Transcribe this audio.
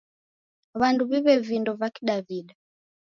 W'andu w'iw'e vindo va Kidaw'ida.